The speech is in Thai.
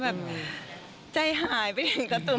แบบใจหายไปถึงกระตุ้น